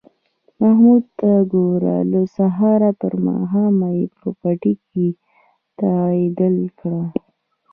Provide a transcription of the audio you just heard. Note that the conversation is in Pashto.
محمود ته گوره! له سهاره تر ماښامه یې په پټي کې تغړېدل کړي